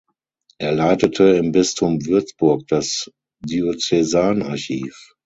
Er leitete im Bistum Würzburg das Diözesanarchiv.